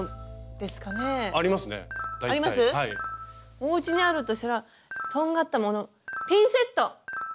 おうちにあるとしたらとんがったものピンセット！